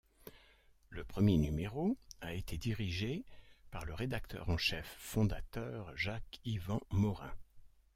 Le premier numéro a été dirigé par le rédacteur en chef fondateur, Jacques-Yvan Morin.